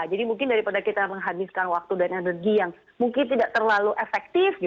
jadi mungkin daripada kita menghabiskan waktu dan energi yang mungkin tidak terlalu efektif